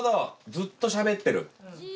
ずっとしゃべってる。